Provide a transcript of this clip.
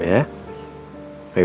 eneh baca doanya dulu